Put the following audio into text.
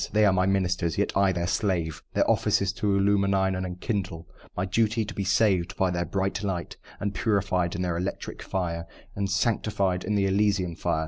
They are my ministers yet I their slave. Their office is to illumine and enkindle My duty, to be saved by their bright light, And purified in their electric fire, And sanctified in their elysian fire.